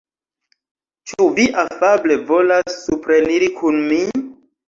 Ĉu vi afable volas supreniri kun mi?